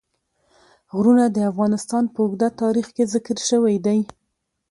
غرونه د افغانستان په اوږده تاریخ کې ذکر شوی دی.